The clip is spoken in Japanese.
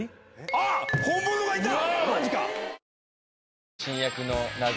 あっ本物がいた！